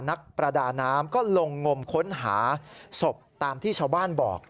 นักประดาน้ำก็ลงงมค้นหาศพตามที่ชาวบ้านบอก